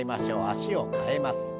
脚を替えます。